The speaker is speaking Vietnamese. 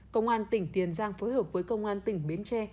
công an tỉnh tiền giang phối hợp với công an tỉnh bến tre